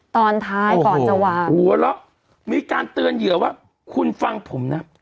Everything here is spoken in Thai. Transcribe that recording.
ตอนท้ายก่อนจะวางหัวเราะมีการเตือนเหยื่อว่าคุณฟังผมนะ